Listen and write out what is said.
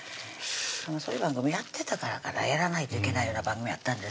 そういう番組やってたからかなやらないといけないような番組あったんですよ